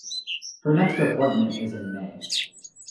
Her next appointment is in May.